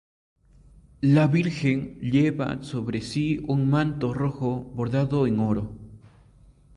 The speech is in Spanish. La Virgen lleva sobre sí un manto rojo bordado en oro.